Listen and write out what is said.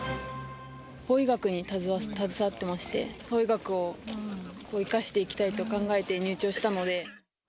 法医学に携わってまして、法医学を生かしていきたいと考えて、入庁したので。